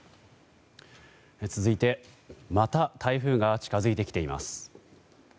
続いてまた台風が近づいてきています。